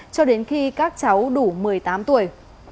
cho đến khi các cháu đủ một mươi tám tuổi